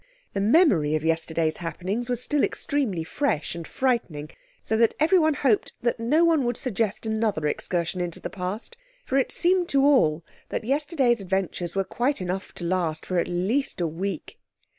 The memory of yesterday's happenings was still extremely fresh and frightening, so that everyone hoped that no one would suggest another excursion into the past, for it seemed to all that yesterday's adventures were quite enough to last for at least a week.